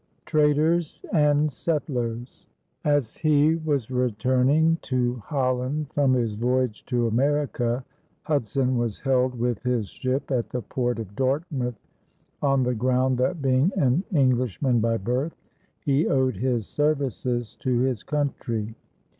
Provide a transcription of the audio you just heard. CHAPTER II TRADERS AND SETTLERS As he was returning to Holland from his voyage to America, Hudson was held with his ship at the port of Dartmouth, on the ground that, being an Englishman by birth, he owed his services to his country.